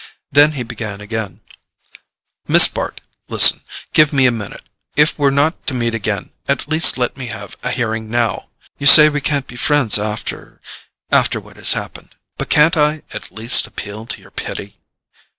Then he began again: "Miss Bart, listen—give me a minute. If we're not to meet again, at least let me have a hearing now. You say we can't be friends after—after what has happened. But can't I at least appeal to your pity?